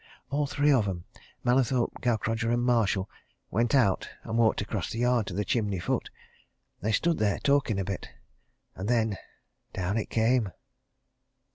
All three of 'em, Mallathorpe, Gaukrodger, Marshall, went out and walked across the yard to the chimney foot. They stood there talking a bit and then down it came!"